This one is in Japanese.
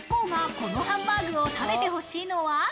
ＩＫＫＯが、このハンバーグを食べて欲しいのは？